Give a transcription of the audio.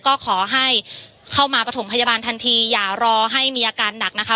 ก็ขอให้เข้ามาประถมพยาบาลทันทีอย่ารอให้มีอาการหนักนะคะ